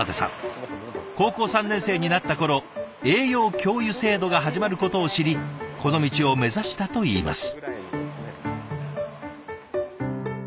高校３年生になった頃栄養教諭制度が始まることを知りこの道を目指したといいます。